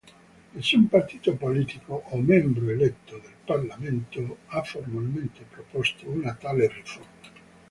Nessun partito politico o membro eletto del Parlamento ha formalmente proposto una tale riforma.